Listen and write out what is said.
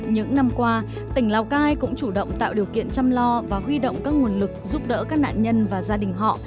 những năm qua tỉnh lào cai cũng chủ động tạo điều kiện chăm lo và huy động các nguồn lực giúp đỡ các nạn nhân và gia đình họ